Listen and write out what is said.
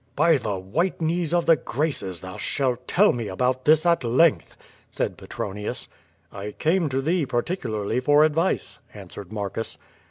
"By the white knees of the Graces, thou shalt tell me about this at length," said Petronius. *1l came to thee particularly for advice," answered Marcus.